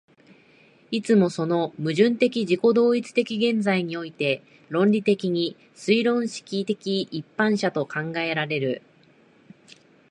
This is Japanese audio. いつもその矛盾的自己同一的現在において論理的に推論式的一般者と考えられる。